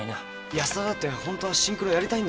安田だってホントはシンクロやりたいんだろ？